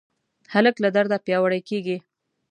هلک له درده پیاوړی کېږي.